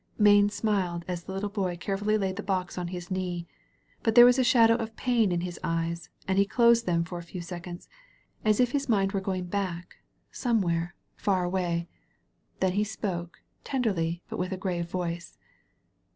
Mayne smiled as the little boy carefully laid the box on his knee; but there was a shadow of pain in hh eyes, and he dosed them for a few seconds, as if his mind were going back, somewhere, far 284 THE HERO away. Then he spoke, tenderly, but with a grave voice.